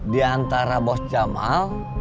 di antara bos jamal